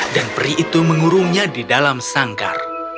dan peri itu mengurungnya di dalam sangkar